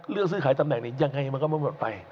เรื่องซื้อขายตำแหน่งยังไงมันก็ไม่ใช่หมดไป